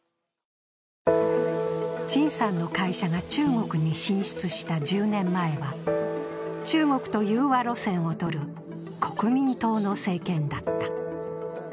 陳さんの会社が中国に進出した１０年前は、中国と融和路線をとる国民党の政権だった。